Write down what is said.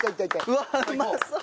うわうまそう！